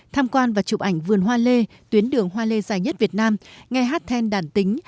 tham quan và chụp ảnh vườn hoa lê tuyến đường hoa lê dài nhất việt nam nghe hát then đàn tính